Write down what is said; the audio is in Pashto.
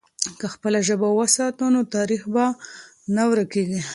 که خپله ژبه وساتو، نو تاریخ به نه ورکېږي.